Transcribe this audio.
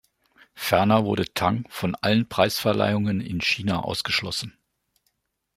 Ferner wurde Tang von allen Preisverleihungen in China ausgeschlossen.